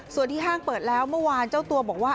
ส่วนที่ห้างเปิดแล้วเมื่อวานเจ้าตัวบอกว่า